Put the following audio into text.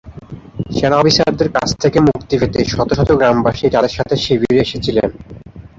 সেনা অফিসারদের কাছ থেকে মুক্তি পেতে শত শত গ্রামবাসী তাদের সাথে শিবিরে এসেছিলেন।